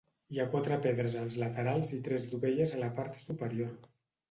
Hi ha quatre pedres als laterals i tres dovelles a la part superior.